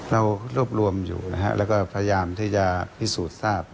เรารวบรวมอยู่นะฮะแล้วก็พยายามที่จะพิสูจน์ทราบ